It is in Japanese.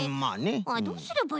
どうすればいいかな？